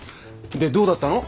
でどうだったの？